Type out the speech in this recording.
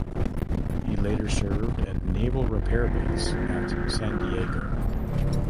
He later served at naval repair base at San Diego.